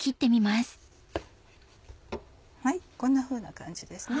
こんなふうな感じですね